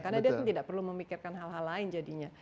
karena dia tidak perlu memikirkan hal hal lain jadinya